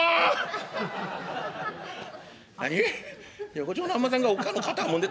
横丁のあんまさんがおっ母の肩もんでた？